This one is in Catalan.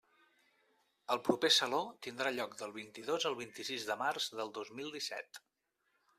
El proper Saló tindrà lloc del vint-i-dos al vint-i-sis de març del dos mil disset.